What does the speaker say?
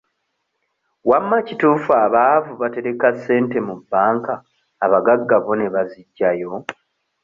Wamma kituufu abaavu batereka ssente mu banka abagagga bo ne baziggyayo?